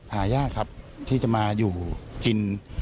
หายากครับที่จะมาอยู่กิน